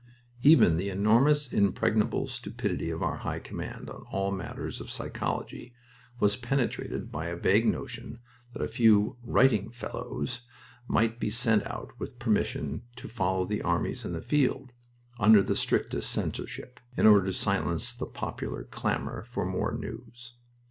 Even the enormous, impregnable stupidity of our High Command on all matters of psychology was penetrated by a vague notion that a few "writing fellows" might be sent out with permission to follow the armies in the field, under the strictest censorship, in order to silence the popular clamor for more news.